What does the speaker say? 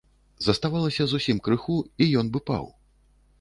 Заставалася зусім крыху, і ён бы паў.